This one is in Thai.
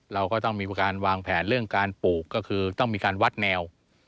เราก็ต้องมีการวางแผนเรื่องการปลูกก็คือต้องมีการวัดแนว